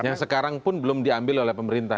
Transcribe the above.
yang sampai sekarang belum diambil oleh pemerintah